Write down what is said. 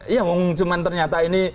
iya cuma ternyata ini